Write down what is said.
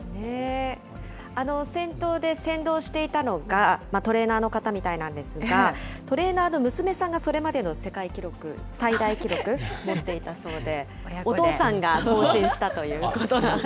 先頭で先導していたのが、トレーナーの方みたいなんですが、トレーナーの娘さんがそれまでの世界記録、最大記録持っていたそうで、お父さんが更新したということなんです。